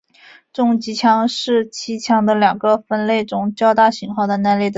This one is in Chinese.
重机枪是机枪的两个分类中较大型号那类的统称。